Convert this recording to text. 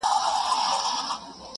منصوري کریږه یم له داره وځم-